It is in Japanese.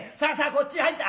こっちへ入って。